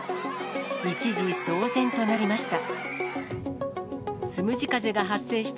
一時、騒然となりました。